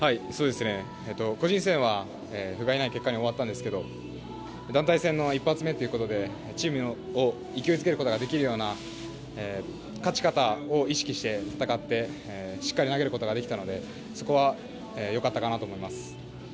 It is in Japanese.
個人戦はふがいない結果に終わったんですけど団体戦の一発目ということでチームを勢いづけることができるような勝ち方を意識して戦ってしっかり投げることができたのでそこはよかったかなと思います。